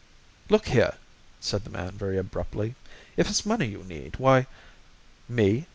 "Look here," said the man, very abruptly, "if it's money you need, why " "Me!